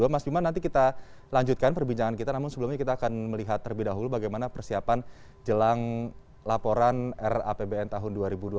mas bima nanti kita lanjutkan perbincangan kita namun sebelumnya kita akan melihat terlebih dahulu bagaimana persiapan jelang laporan rapbn tahun dua ribu dua puluh